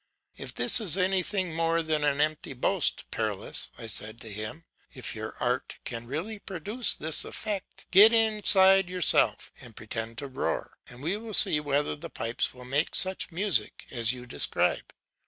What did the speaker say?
"If this is anything more than an empty boast, Perilaus," I said to him, "if your art can really produce this effect, get inside yourself, and pretend to roar; and we will see whether the pipes will make such music as you describe."